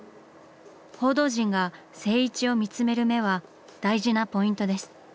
報道陣が静一を見つめる目は大事なポイントです。